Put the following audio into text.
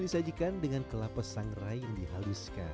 disajikan dengan kelapa sangrai yang dihaluskan